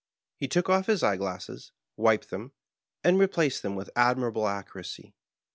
He took off his eye glasses, wiped them, and replaced them with admirable accuracy.